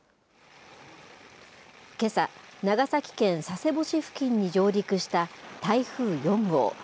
けさ、長崎県佐世保市付近に上陸した台風４号。